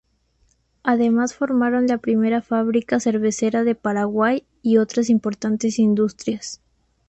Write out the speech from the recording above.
Además formaron la primera fábrica cervecera del Paraguay y otras importantes industrias.